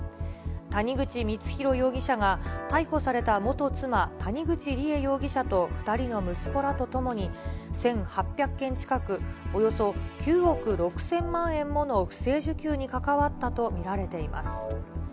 谷口光弘容疑者が逮捕された元妻、谷口梨恵容疑者と２人の息子らと共に、１８００件近く、およそ９億６０００万円もの不正受給に関わったと見られています。